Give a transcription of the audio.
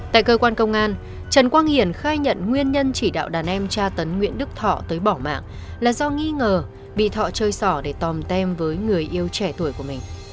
tại cơ quan công an trần quang hiển khai nhận nguyên nhân chỉ đạo đàn em tra tấn nguyễn đức thọ tới bỏ mạng là do nghi ngờ bị thọ chơi sỏ để tò mem với người yêu trẻ tuổi của mình